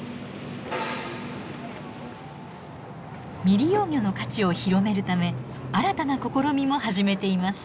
未利用魚の価値を広めるため新たな試みも始めています。